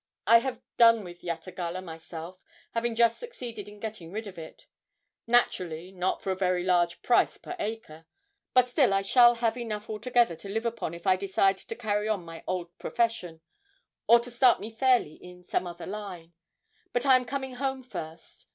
I have done with Yatagalla myself, having just succeeded in getting rid of it; naturally, not for a very large price per acre, but still I shall have enough altogether to live upon if I decide to carry on my old profession, or to start me fairly in some other line. But I am coming home first.